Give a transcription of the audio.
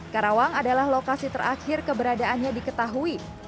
karawang adalah lokasi terakhir keberadaannya diketahui